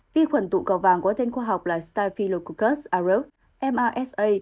vi khuẩn tụ cầu vang có tên khoa học là staphylococcus aureus mrsa